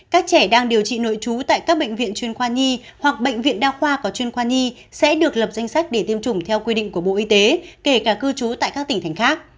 các trẻ đang điều trị nội trú tại các bệnh viện chuyên khoa nhi hoặc bệnh viện đa khoa có chuyên khoa nhi sẽ được lập danh sách để tiêm chủng theo quy định của bộ y tế kể cả cư trú tại các tỉnh thành khác